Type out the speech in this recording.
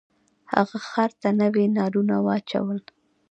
هغه خر ته نوي نالونه واچول.